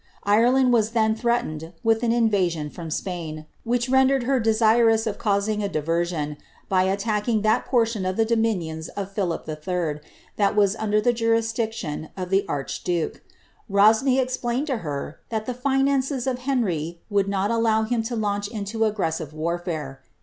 Ireland ii'as then threatened with an invasion from Spain, which rendered her desirous of causing a diver sion, by attacking that portion of the dominions of Philip III., that nas under the jurisdiction of the archduke, Rosny explained to her. ihai the iinances of Henry would not allow him to launch into aggres5iv( warfare.